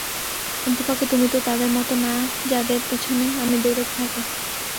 অন্ততপক্ষে তুমি তো তাদের মতো না যাদের পিছনে আমি দৌড়াতে থাকি।